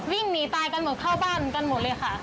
วิ่งหนีตายกันหมดเข้าบ้านกันหมดเลยค่ะ